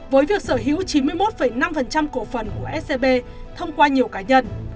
với việc sở hữu chín mươi một năm cổ phần của scb thông qua nhiều cá nhân